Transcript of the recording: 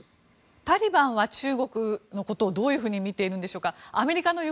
タリバンは中国のことをどう見ているんでしょうか。